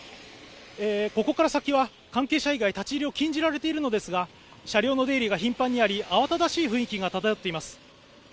ここから先は関係者以外立ち入りを禁じられているのですが車両の出入りが頻繁にあり慌しい雰囲気が漂っています